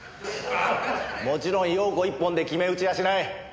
もちろん容子一本で決め打ちはしない。